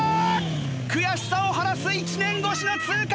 悔しさを晴らす１年越しの通過！